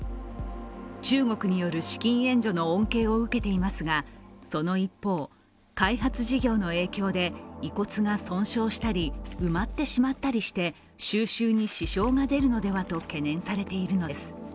中国による資金援助の恩恵を受けていますがその一方、開発事業の影響で遺骨が損傷したり、埋まってしまったりして、収集に支障が出るのではと懸念されているのです。